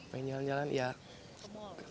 pengen jalan jalan ya ke mall